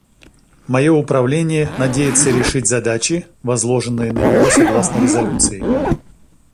Мое Управление надеется решить задачи, возложенные на него согласно резолюции.